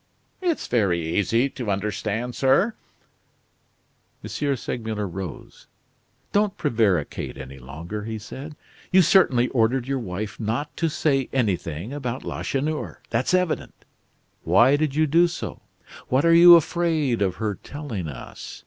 "It's very easy to understand, sir." M. Segmuller rose. "Don't prevaricate any longer," he said. "You certainly ordered your wife not to say anything about Lacheneur. That's evident. Why did you do so? What are you afraid of her telling us?